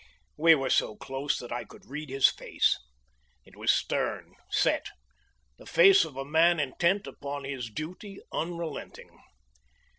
We were so close that I could read his face. It was stern, set; the face of a man intent upon his duty, unrelenting.